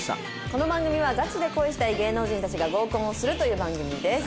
この番組はガチで恋したい芸能人たちが合コンをするという番組です。